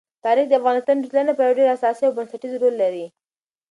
تاریخ د افغانستان د ټولنې لپاره یو ډېر اساسي او بنسټيز رول لري.